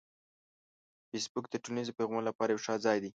فېسبوک د ټولنیزو پیغامونو لپاره یو ښه ځای دی